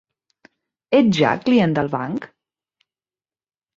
Ets ja client del banc?